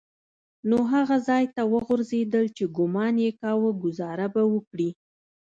نو هغه ځای ته وخوځېدل چې ګومان يې کاوه ګوزاره به وکړي.